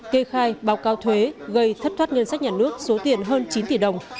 kê khai báo cao thuế gây thất thoát ngân sách nhà nước số tiền hơn chín tỷ đồng